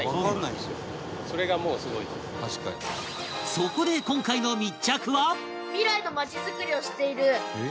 そこで今回の密着は